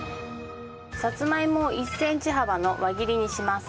さつまいもを１センチ幅の輪切りにします。